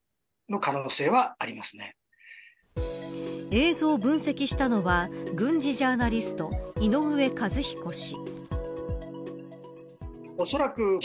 映像を分析したのは軍事ジャーナリスト井上和彦氏。